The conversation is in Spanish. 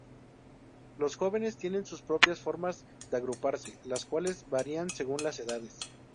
Los jóvenes tienen sus propias formas de agruparse, las cuales varían según las edades.